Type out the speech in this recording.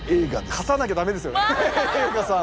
勝たなきゃダメですよね栄花さん。